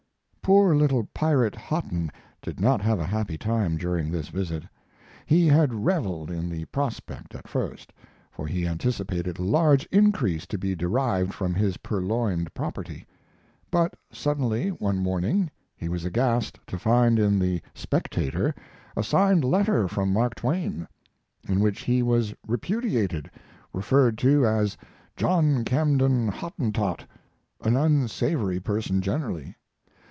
Poor little pirate Hotten did not have a happy time during this visit. He had reveled in the prospect at first, for he anticipated a large increase to be derived from his purloined property; but suddenly, one morning, he was aghast to find in the Spectator a signed letter from Mark Twain, in which he was repudiated, referred to as "John Camden Hottentot," an unsavory person generally.